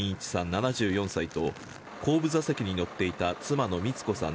７４歳と後部座席に乗っていた妻の光子さん